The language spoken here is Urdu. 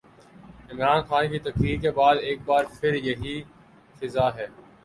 عمران خان کی تقریر کے بعد ایک بار پھر یہی فضا ہے۔